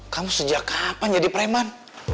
kamu sejak kapan jadi preman